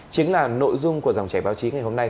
chính là nội dung của dòng chảy báo chí ngày hôm nay